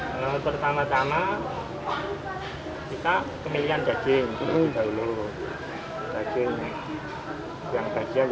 kalau pertama tama kita pilihkan daging terlebih dahulu